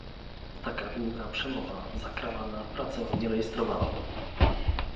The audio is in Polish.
Taka długa przemowa zakrawa na pracę nierejestrowaną